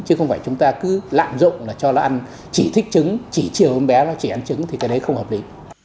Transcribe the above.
chứ không phải chúng ta cứ lạm dụng là cho nó ăn chỉ thích chứng chỉ chiều em bé nó chỉ ăn chứng thì cái đấy không hợp lý